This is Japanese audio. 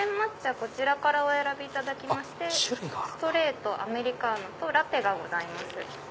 こちらからお選びいただきましてストレートアメリカーノとラテがございます。